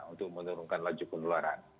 untuk menurunkan laju penularan